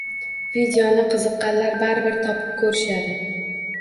Videoni qiziqqanlar baribir topib koʻrishadi